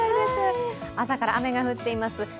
朝から雨が降ってます。